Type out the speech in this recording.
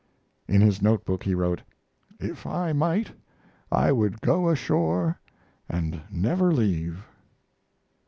In his note book he wrote: "If I might, I would go ashore and never leave."